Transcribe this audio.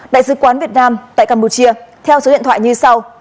đại sứ quán việt nam tại campuchia theo số điện thoại như sau